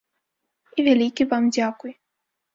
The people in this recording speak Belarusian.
І вялікі вам дзякуй.